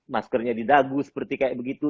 maskernya didagu seperti begitu